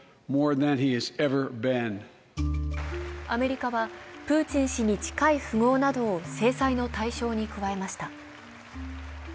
アメリカはプーチン氏に近い富豪などを制裁の対象に加えました。